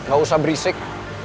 gak usah berisik